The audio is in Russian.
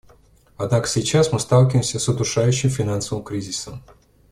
Однако сейчас мы сталкиваемся с удушающим финансовым кризисом.